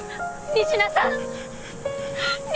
仁科さん！